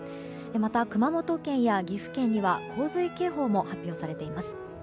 また、熊本県や岐阜県には洪水警報も発表されています。